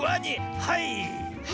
はい！